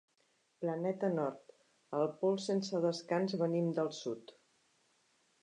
Planeta nord: el pols sense descans venim del sud.